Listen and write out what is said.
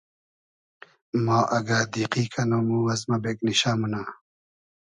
ما اگۂ دیقی کئنوم او از مۂ بېگنیشۂ مونۂ